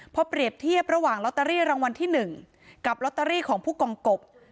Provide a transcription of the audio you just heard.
พอเปรียบเทียบระหว่างลอตเตอรี่รางวัลที่๑กับลอตเตอรี่ของผู้กองกบ